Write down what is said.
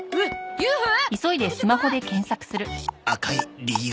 ＵＦＯ？